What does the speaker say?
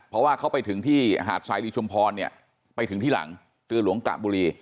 เพราะว่าเขาไปถึงที่หาดสายรีชุมพรเนี่ยไปถึงที่หลังเรือหลวงกะบุรี